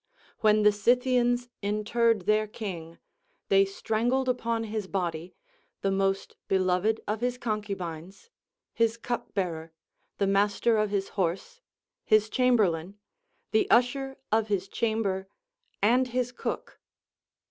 When the Scythians interred their king they strangled upon his body the most beloved of his concubines, his cup bearer, the master of his horse, his chamberlain, the usher of his chamber, and his cook.